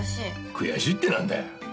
悔しいってなんだよ。